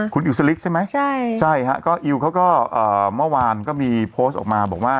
คุณอิวสลิกใช่ไหมใช่ฮะก็อิวเขาก็เมื่อวานก็มีโพสต์ออกมาบอกว่า